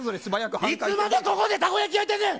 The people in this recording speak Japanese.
いつまで、ここでたこ焼き焼いてんねん。